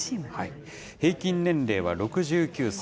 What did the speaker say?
平均年齢は６９歳。